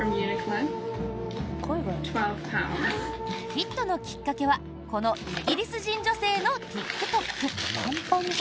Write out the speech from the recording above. ヒットのきっかけはこのイギリス人女性のＴｉｋＴｏｋ。